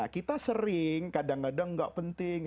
kita sering kadang kadang gak penting